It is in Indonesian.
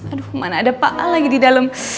aduh mana ada pak a lagi di dalam